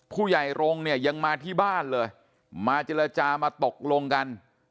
ผู้ใหญ่รงค์เนี่ยยังมาที่บ้านเลยมาเจรจามาตกลงกัน